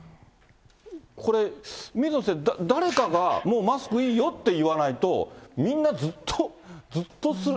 これ、水野先生、誰かがもうマスクいいよって言わないと、みんなずっと、ずっとする。